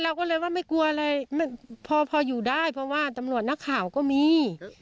เราก็เลยว่าไม่กลัวอะไรพออยู่ได้เพราะว่าตำรวจนักข่าวก็มี